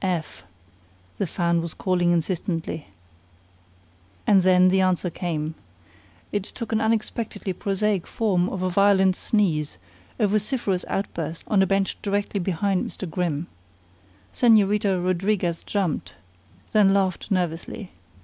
"F F F," the fan was calling insistently. And then the answer came. It took the unexpectedly prosaic form of a violent sneeze, a vociferous outburst on a bench directly behind Mr. Grimm. Señorita Rodriguez jumped, then laughed nervously.